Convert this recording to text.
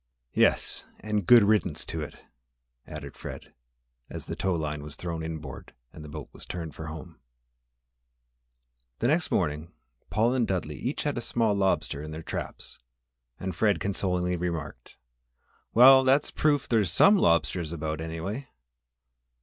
"Yes, and good riddance to it!" added Fred, as the tow line was thrown inboard and the boat was turned for home. The next morning Paul and Dudley each had a small lobster in their traps and Fred consolingly remarked, "Well, that's proof there's some lobsters about, anyway."